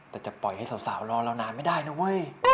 แต่จะปล่อยให้สาวรอเรานานไม่ได้นะเว้ย